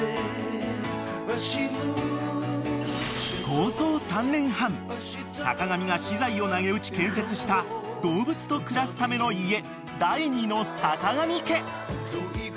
［構想３年半坂上が私財をなげうち建設した動物と暮らすための家第２の坂上家］